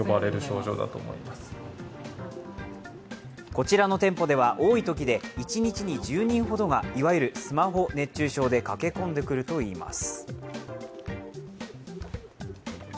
こちらの店舗では、多いときで一日に１０人ほどがいわゆるスマホ熱中症で駆け込んでくるといいます。